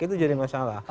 itu jadi masalah